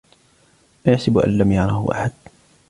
أيحسب أن لم يره أحد